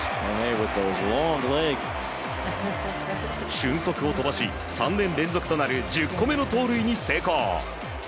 俊足を飛ばし３年連続となる１０個目の盗塁に成功。